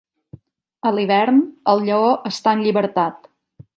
A l'hivern, el lleó està en llibertat.